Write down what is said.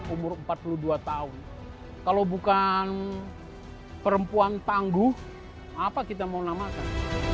umur empat puluh dua tahun kalau bukan perempuan tangguh apa kita mau namakan